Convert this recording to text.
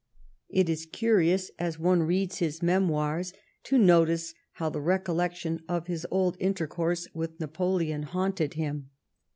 It is curious, as one reads his memoirs, to notice how the recollection of his old intercourse with Napoleon haunted him.